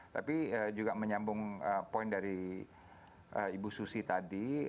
tapi juga menyambung poin dari ibu susi tadi